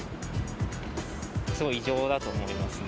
すごい異常だと思いますね。